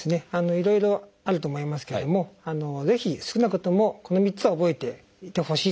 いろいろあると思いますけどもぜひ少なくともこの３つは覚えていてほしいというのがあります。